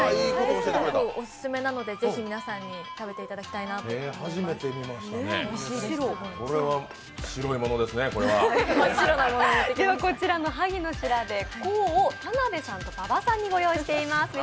すごくオススメなので、ぜひ皆さんに食べていただきたいと思います。